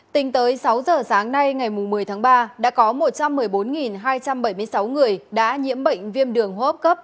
tính tới sáu giờ sáng nay ngày một mươi tháng ba đã có một trăm một mươi bốn hai trăm bảy mươi sáu người đã nhiễm bệnh viêm đường hô hấp cấp